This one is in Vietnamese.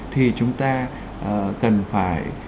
thì chúng ta cần phải